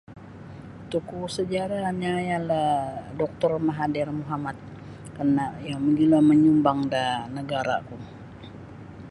Tokoh sejarahnya ialah um Doktor Mahathir Mohamad kerna iyo mogilo manyumbang da nagara ku.